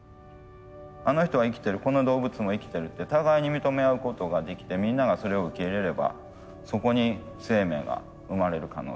あの人は生きてるこの動物も生きてるって互いに認め合うことができてみんながそれを受け入れればそこに生命が生まれる可能性は十分にあるな。